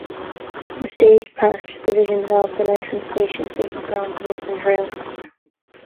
The state parks division developed an entrance station, picnic grounds, roads, and trails.